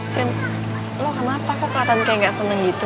sien lo kenapa kok kelihatan kayak nggak seneng gitu